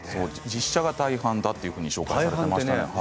実写が大半だと紹介されていました。